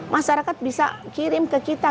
masyarakat bisa kirim ke kita